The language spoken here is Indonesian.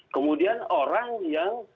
kemudian orang yang